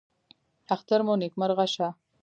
اختر مو نیکمرغه شه